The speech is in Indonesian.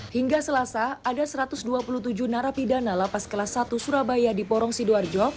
hingga selasa ada satu ratus dua puluh tujuh narapidana lapas kelas satu surabaya di porong sidoarjo